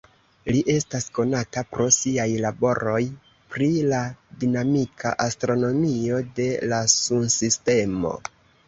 Li estas konata pro siaj laboroj pri la dinamika astronomio de la Sunsistemo.